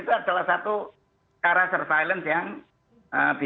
itu adalah satu cara surveillance yang bisa apa ya tadi mengurangi risiko penularan di